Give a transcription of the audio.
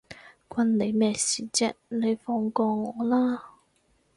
關你咩事啫，你放過我啦